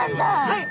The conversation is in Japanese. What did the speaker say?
はい。